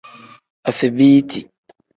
Afebiiti.